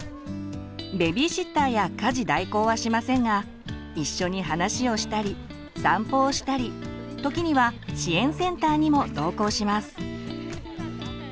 ベビーシッターや家事代行はしませんが一緒に話をしたり散歩をしたり時には支援センターにも同行します。